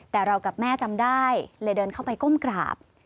แต่เรากับแม่จำได้เลยเดินเข้าไปก้มกราบ